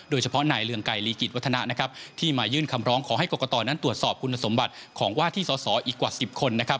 โดยเฉพาะนายเรืองไกรลีกิจวัฒนะนะครับที่มายื่นคำร้องขอให้กรกตนั้นตรวจสอบคุณสมบัติของว่าที่สอสออีกกว่า๑๐คนนะครับ